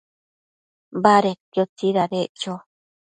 Badedquio tsidadeccho